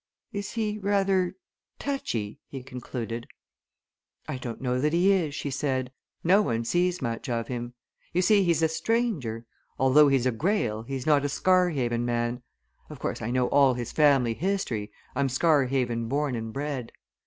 "Is he rather touchy?" he concluded. "I don't know that he is," she said. "No one sees much of him. You see he's a stranger: although he's a Greyle, he's not a Scarhaven man. Of course, I know all his family history I'm Scarhaven born and bred.